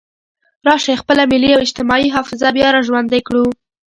راشئ خپله ملي او اجتماعي حافظه بیا را ژوندۍ کړو.